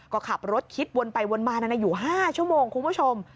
ก็ขับรถคิดวนไปวนมานานอยู่๕ชั่วโมงคุณผู้ชม